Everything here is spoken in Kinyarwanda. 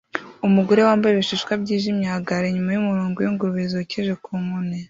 Umugore wambaye ibishishwa byijimye ahagarara inyuma yumurongo wingurube zokeje ku nkoni